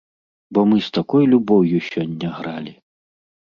Бо мы з такой любоўю сёння гралі!